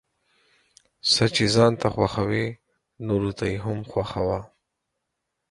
څه چې ځان ته خوښوې نوروته يې هم خوښوه ،